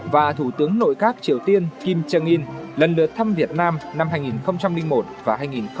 và thủ tướng nội các triều tiên kim trương yên lần lượt thăm việt nam năm hai nghìn một và hai nghìn bảy